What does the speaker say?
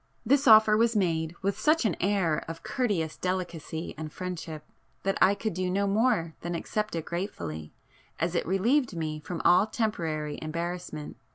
This offer was made with such an air of courteous delicacy and friendship, that I could do no more than accept it gratefully, as it relieved me from all temporary embarrassment.